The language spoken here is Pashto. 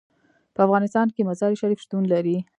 په افغانستان کې مزارشریف شتون لري.